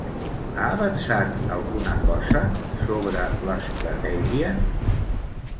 Ha avançat alguna cosa sobre l'estratègia?